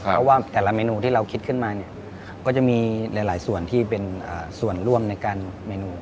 เพราะว่าแต่ละเมนูที่เราคิดขึ้นมาเนี่ยก็จะมีหลายส่วนที่เป็นส่วนร่วมในการเมนู